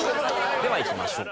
ではいきましょう。